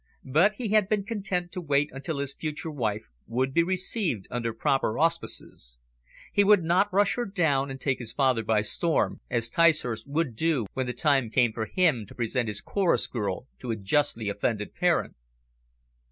But he had been content to wait until his future wife would be received under proper auspices. He would not rush her down and take his father by storm, as Ticehurst would do when the time came for him to present his chorus girl to a justly offended parent.